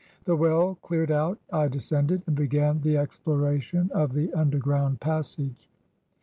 The well cleared out, I descended and began the exploration of the under ground passage.